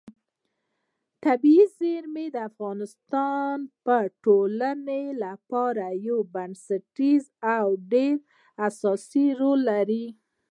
طبیعي زیرمې د افغانستان د ټولنې لپاره یو بنسټیز او ډېر اساسي رول لري.